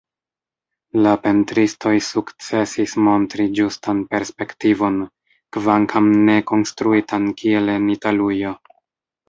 La pentristoj sukcesis montri ĝustan perspektivon, kvankam ne konstruitan kiel en Italujo.